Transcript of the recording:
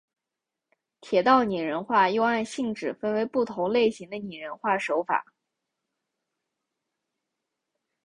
铁道拟人化又按性质分为不同类型的拟人化手法。